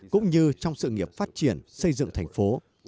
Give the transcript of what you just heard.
cũng như trong sự nghiệp phát triển xây dựng thành phố